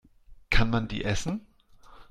Kann man die essen?